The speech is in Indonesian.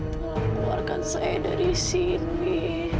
tolong keluarkan saya dari sini